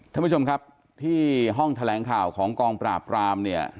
ท่านผู้ชมครับที่ห้องแถลงข่าวของกองปราบรามเนี่ย